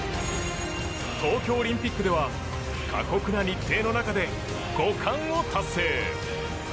東京オリンピックでは過酷な日程の中で５冠を達成。